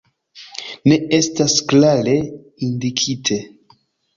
Ne estas klare indikite.